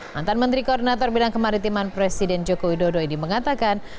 mantan menteri koordinator bidang kemaritiman presiden joko widodo ini mengatakan